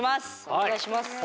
お願いします。